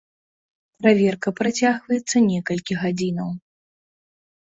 Праверка працягваецца некалькі гадзінаў.